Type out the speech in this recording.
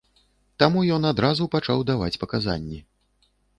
Таму ён адразу пачаў даваць паказанні.